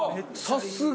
さすが！